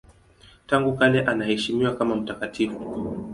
Tangu kale anaheshimiwa kama mtakatifu.